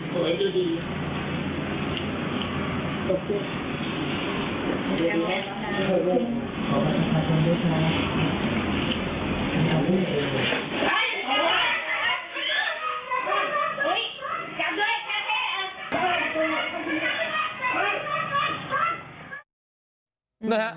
สมาธุ